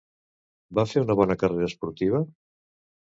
Va fer una bona carrera esportiva?